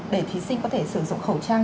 để thí sinh có thể sử dụng khẩu trang